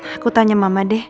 aku tanya mama deh